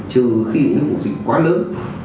trừ khi những vụ dịch quá lớn